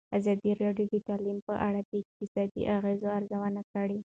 ازادي راډیو د تعلیم په اړه د اقتصادي اغېزو ارزونه کړې.